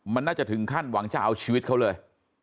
มันน่าจะถึงขั้นหวังจะเอาชีวิตเขาเลย